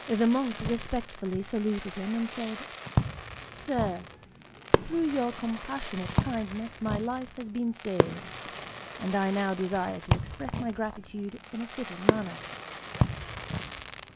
The monk respectfully saluted him, and said:—"Sir, through your compassionate kindness my life has been saved; and I now desire to express my gratitude in a fitting manner."